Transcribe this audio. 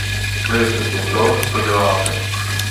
To je přesně to, co děláte.